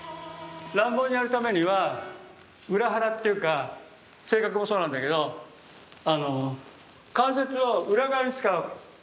乱暴にやるためには裏腹っていうか性格もそうなんだけど関節を裏側に使うわけ。